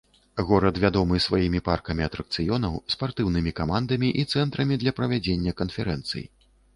Горад вядомы сваімі паркамі атракцыёнаў, спартыўнымі камандамі і цэнтрамі для правядзення канферэнцый.